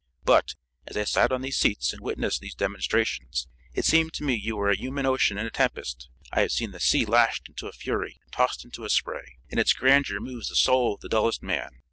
But, as I sat on these seats and witnessed these demonstrations, it seemed to me you were a human ocean in a tempest. I have seen the sea lashed into a fury and tossed into a spray, and its grandeur moves the soul of the dullest man.